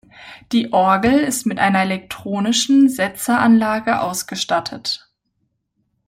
Die Orgel ist mit einer elektronischen Setzeranlage ausgestattet.